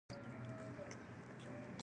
ما په هیکل کي یې کوم توپیر تر سترګو نه کړ.